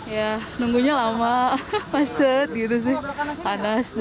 ya nunggunya lama maset gitu sih panas